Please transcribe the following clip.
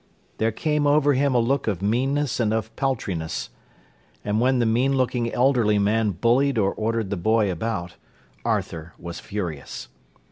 There came over him a look of meanness and of paltriness. And when the mean looking elderly man bullied or ordered the boy about, Arthur was furious.